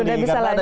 sudah bisa lancar